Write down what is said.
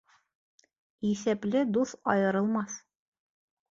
Иҫәпле дуҫ айырылмаҫ.